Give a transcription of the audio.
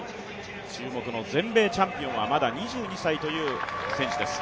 注目の全米チャンピオンはまだ２２歳という選手です。